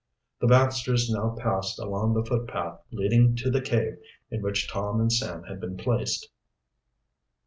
The Baxters now passed along the footpath leading to the cave in which Tom and Sam had been placed.